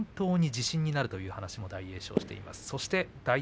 本当に自信になるという話を大栄翔がしていました。